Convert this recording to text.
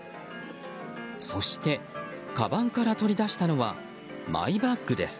そしてかばんから取り出したのはマイバックです。